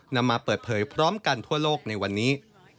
นำมาเปิดเผยพร้อมกันทั่วโลกในวันนี้